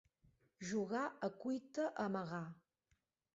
Jugar a cuita a amagar.